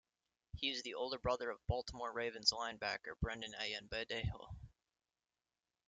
He is the older brother of Baltimore Ravens linebacker Brendon Ayanbadejo.